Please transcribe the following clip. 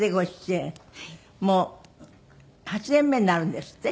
もう８年目になるんですって？